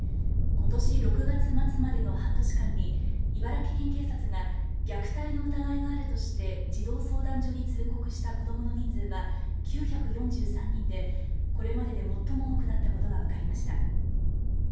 ことし６月末までの半年間に茨城県警察が虐待の疑いがあるとして児童相談所に通告した子どもの人数は９４３人でこれまでで最も多くなったことが分かりました。